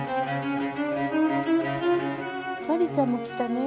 マリーちゃんも来たね。